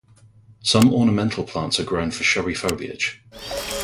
Some ornamental plants are grown for showy foliage.